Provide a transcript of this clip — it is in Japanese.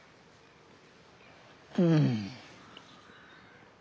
うん。